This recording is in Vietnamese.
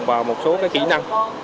và một số kỹ năng